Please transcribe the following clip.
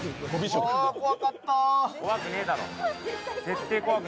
怖くねえだろう。